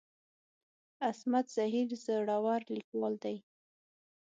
عصمت زهیر زړور ليکوال دی.